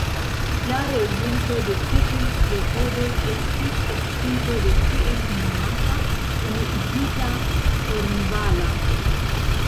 La rezulto de tiuj klopodoj estis estiĝo de tiel nomata "Unuigita kornvala".